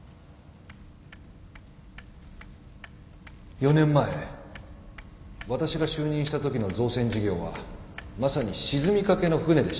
４年前私が就任したときの造船事業はまさに沈みかけの船でした。